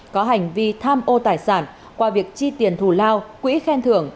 có hành vi tham ô tài sản qua việc chi tiền thù lao quỹ khen thưởng